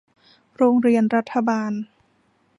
โรงเรียนรัฐบาล